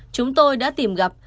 chúng tôi đã tìm gặp